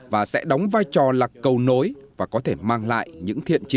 và sẽ đóng vai trò là cầu nối và có thể mang lại những thiện trí